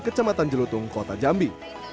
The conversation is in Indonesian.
kecamatan jelutung kota jambi